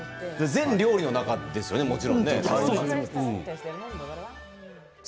全、料理の中で、ですよね？もちろん。